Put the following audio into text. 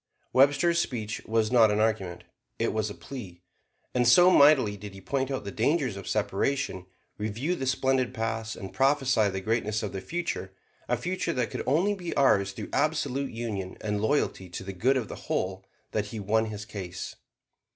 Webster's speech was not an argument; it was a plea. And so mightily did he point out the dangers of separation; review the splendid past; and prophesy the greatness of the future a future that could only be ours through absolute union and loyalty to the good of the whole that he won his cause.